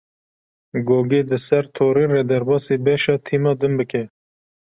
Gogê di ser torê re derbasî beşa tîma din bike.